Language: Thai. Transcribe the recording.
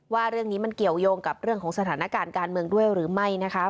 ว่าเรื่องนี้มันเกี่ยวยงกับเรื่องของสถานการณ์การเมืองด้วยหรือไม่นะคะ